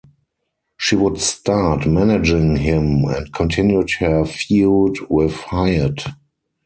She would start managing him and continued her feud with Hyatt.